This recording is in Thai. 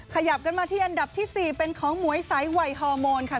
ขยับกันมาที่อันดับที่๔เป็นของหมวยสายวัยฮอร์โมนค่ะ